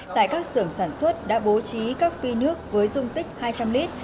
tại các xưởng sản xuất đã bố trí các phi nước với dung tích hai trăm linh lít